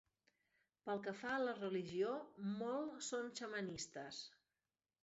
Pel que fa a la religió, molt són xamanistes.